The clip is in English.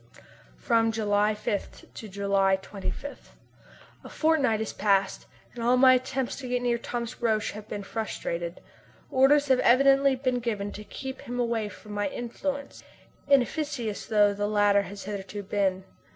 From July 5 to July 25. A fortnight has passed, and all my attempts to get near Thomas Roch have been frustrated. Orders have evidently been given to keep him away from my influence, inefficacious though the latter has hitherto been.